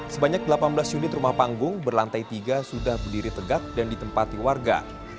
sebanyak delapan belas unit rumah panggung berlantai tiga sudah berdiri tegak dan ditempati warga